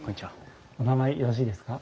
お名前よろしいですか？